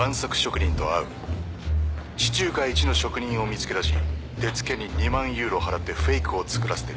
地中海一の職人を見つけだし手付けに２万ユーロ払ってフェイクを作らせてる。